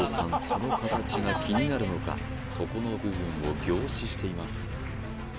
その形が気になるのか底の部分を凝視しています